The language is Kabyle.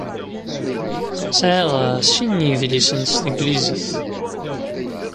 Sɛiɣ sin n yidlisen s tanglizit.